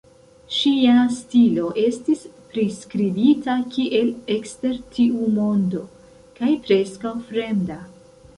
Ŝia stilo estis priskribita kiel "ekster tiu mondo" kaj "preskaŭ fremda".